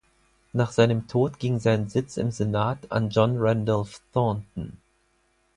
Nach seinem Tod ging sein Sitz im Senat an John Randolph Thornton.